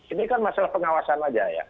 ini kan masalah pengawasan aja ya